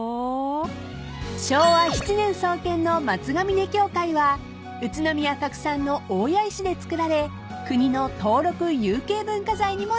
［昭和７年創建の松が峰教会は宇都宮特産の大谷石で造られ国の登録有形文化財にも認定］